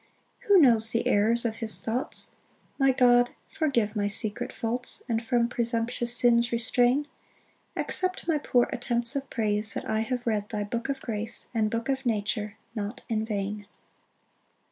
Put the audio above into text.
8 Who knows the errors of his thoughts? My God, forgive my secret faults, And from presumptuous sins restrain; Accept my poor attempts of praise That I have read thy book of grace, And book of nature, not in vain.